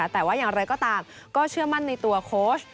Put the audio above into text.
แต่ว่าอย่างไรก็ตามก็เชื่อมั่นในตัวโค้ช